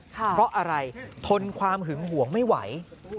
เพราะอะไรทนความหึงหวงไม่ไหว